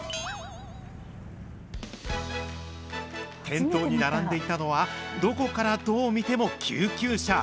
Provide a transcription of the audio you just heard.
店頭に並んでいたのは、どこからどう見ても救急車。